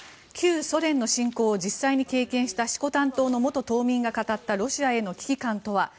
旧ソ連の侵攻を実際に経験した色丹島の元島民が語ったロシアへの危機感とは。